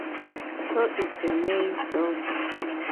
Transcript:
So is the main door.